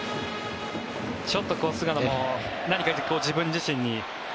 ちょっと菅野も何か自分自身に。